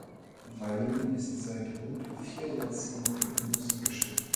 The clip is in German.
Walden ist seit rund vier Jahrzehnten im Musikgeschäft.